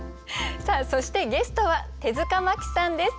そしてゲストは手塚マキさんです。